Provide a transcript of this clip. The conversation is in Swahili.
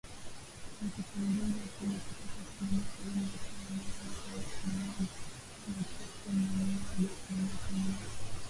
Na kupunguza pengo kutoka asilimia sabini na tano mwaka wa elfu moja mia tisa tisini na nne hadi asilimia kumi na saba mwishoni mwa kipindi hicho.